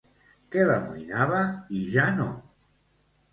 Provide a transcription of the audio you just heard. Què l'amoïnava i ja no?